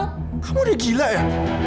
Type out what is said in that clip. kamu udah gila ya